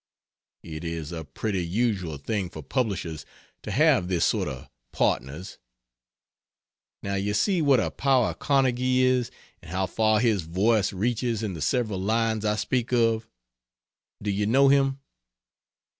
It is a pretty usual thing for publishers to have this sort of partners. Now you see what a power Carnegie is, and how far his voice reaches in the several lines I speak of. Do you know him?